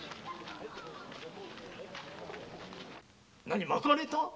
何まかれた？